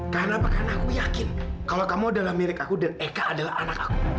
karena aku yakin kalau kamu adalah milik aku dan eka adalah anak aku